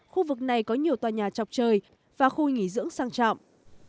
khu vực này có nhiều tòa nhà chọc trời và khu nghỉ dưỡng sang trọng